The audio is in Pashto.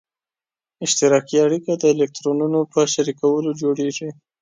اشتراکي اړیکه د الکترونونو په شریکولو جوړیږي.